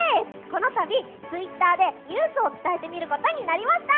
このたび、ツイッターでニュースを伝えてみることになりました。